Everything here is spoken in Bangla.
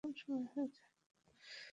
চীনে সমতল ভূমির নদীর মাছ।